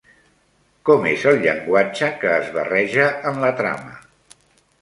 Com és el llenguatge que es barreja en la trama?